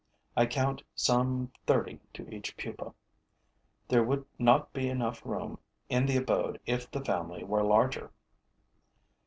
I count some thirty to each pupa. There would not be enough room in the abode if the family were larger.